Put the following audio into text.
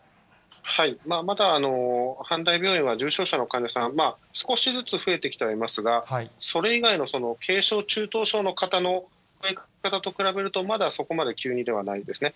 まだ阪大病院は重症者の患者さん、少しずつ増えてきてはいますが、それ以外の軽症、中等症の方と比べると、まだそこまで急にではないですね。